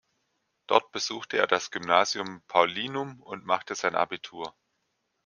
Dort besuchte er das Gymnasium Paulinum und machte sein Abitur.